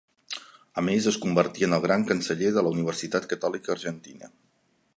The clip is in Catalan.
A més, es convertí en el Gran Canceller de la Universitat Catòlica Argentina.